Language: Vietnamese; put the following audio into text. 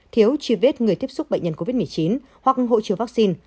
thiếu chi vết người tiếp xúc bệnh nhân covid một mươi chín hoặc hỗ trợ vaccine